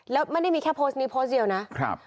แล้วไม่ได้มีแค่โพสต์นี้โพสต์เดียวนะครับ